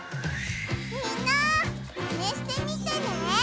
みんなマネしてみてね！